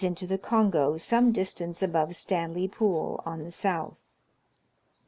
105 into the Kongo some distance above Stanley Pool on the south.